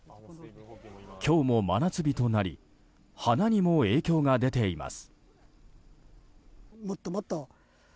今日も真夏日となり花にも影響が出ています。